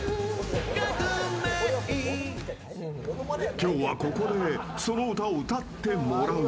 今日は、ここでその歌を歌ってもらう。